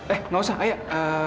eh nggak usah ayah